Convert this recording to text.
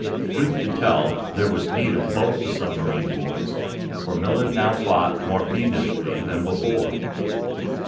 Truth to tell, there was need of both the submarine boys, for Millard now fought more fiendishly than before.